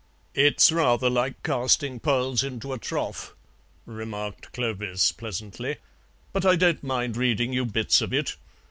"It's rather like casting pearls into a trough," remarked Clovis pleasantly, "but I don't mind reading you bits of it.